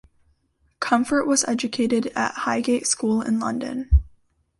Comfort was educated at Highgate School in London.